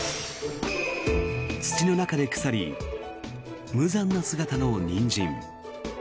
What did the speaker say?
土の中で腐り無残な姿のニンジン。